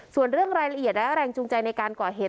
ส่วนเรื่องรายละเอียดและแรงจูงใจในการก่อเหตุ